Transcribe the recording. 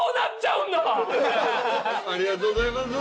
ありがとうございます。